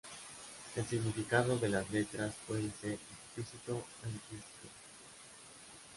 El significado de las letras puede ser explícito o implícito.